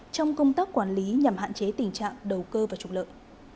trong công tác quản lý nhằm hạn chế tình trạng đầu cơ và trục lợi